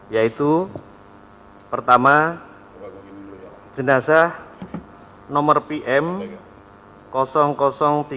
yaitu pertama jenazah nomor pm tiga puluh dua c dari kantong jenazah nomor dvi